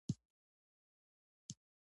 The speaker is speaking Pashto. بېمینې ژوند خړ ښکاري.